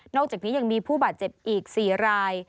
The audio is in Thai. อกจากนี้ยังมีผู้บาดเจ็บอีก๔ราย